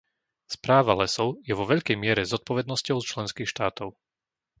Správa lesov je vo veľkej miere zodpovednosťou členských štátov.